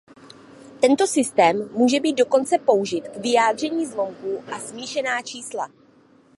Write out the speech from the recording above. Tento systém může být dokonce použit k vyjádření zlomků a smíšená čísla.